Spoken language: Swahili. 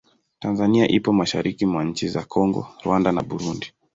Tanzania ipo mashariki mwa nchi za Kongo, Rwanda na Burundi.